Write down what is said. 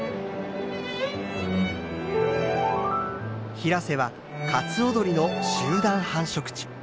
平瀬はカツオドリの集団繁殖地。